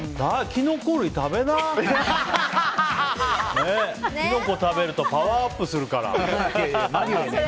キノコ食べるとパワーアップするから。